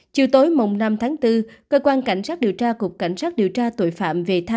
chiều tối mùng năm tháng bốn cơ quan cảnh sát điều tra cục cảnh sát điều tra tội phạm về tham